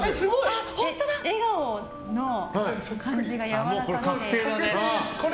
笑顔の感じがやわらかくて。